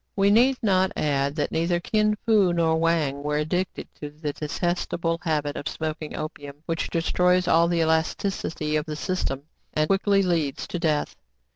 We need not add that neither Kin Fo nor Wang were addicted to the dçtestable habit of smoking THE CITY OF SHANG HAL 35 opium, which destroys all the elasticity of the sys tem, and quickly leads to death.